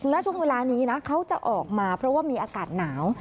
และช่วงเวลานี้นะเขาจะออกมาเพราะว่ามีอากาศหนาว